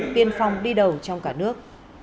tiên phong đi đầu trong cả nước